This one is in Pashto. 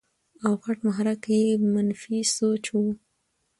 او غټ محرک ئې منفي سوچ وي -